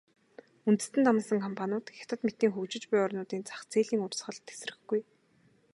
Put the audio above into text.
Үндэстэн дамнасан компаниуд Хятад мэтийн хөгжиж буй орнуудын зах зээлийн урсгалд тэсэхгүй.